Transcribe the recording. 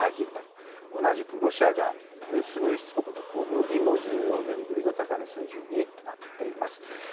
同じくロシアが有数の輸出国の小麦も１４年ぶりの高値水準になっています。